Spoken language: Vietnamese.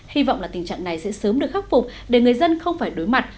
hy vọng là tình trạng này sẽ sớm được khắc phục để người dân không phải đối mặt